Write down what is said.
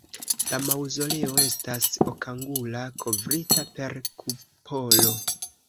La maŭzoleo estas okangula kovrita per kupolo.